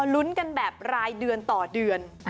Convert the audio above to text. ลุ้นกันแบบรายเดือนต่อเดือน